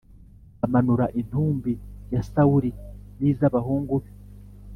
bamanura intumbi ya Sawuli nizabahungu be